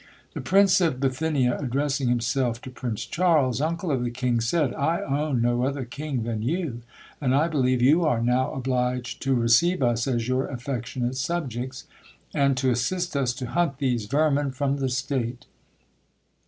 The prince of Bithynia addressing himself to Prince Charles, uncle of the king, said, "I own no other king than you; and I believe you are now obliged to receive us as your affectionate subjects, and to assist us to hunt these vermin from the state."